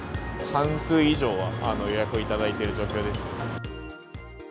半数以上は予約を頂いている状況です。